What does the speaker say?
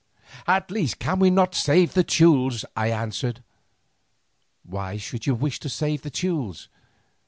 "At the least can we not save these Teules?" I answered. "Why should you wish to save the Teules?